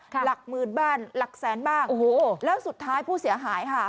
หลักหมื่นบ้างหลักแสนบ้างโอ้โหแล้วสุดท้ายผู้เสียหายค่ะ